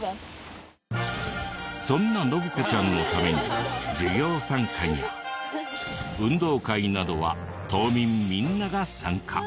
そんな洵子ちゃんのために授業参観や運動会などは島民みんなが参加。